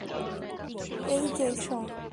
এই যে, চলে এসো।